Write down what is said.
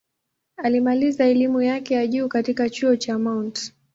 Alimaliza elimu yake ya juu katika Chuo Kikuu cha Mt.